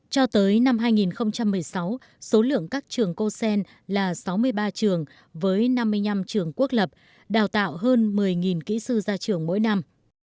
cho tới năm hai nghìn một mươi sáu số lượng các trường cosen là sáu mươi ba trường với năm mươi năm trường quốc lập đào tạo hơn một mươi kỹ sư ra trường mỗi năm